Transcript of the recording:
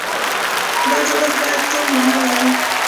دا جوړښت باید ټول منلی وي.